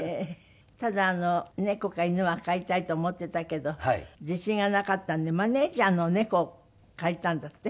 ただ猫か犬は飼いたいと思ってたけど自信がなかったんでマネージャーの猫を借りたんだって？